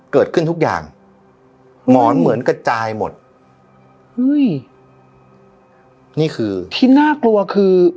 ทุกอย่างหมอนเหมือนกระจายหมดเฮ้ยนี่คือที่น่ากลัวคือ